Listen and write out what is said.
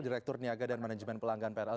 direktur niaga dan manajemen pelanggan prl